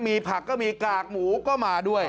มีผักก็มีกากหมูก็มาด้วย